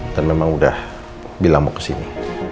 memang udah bilang mau kesini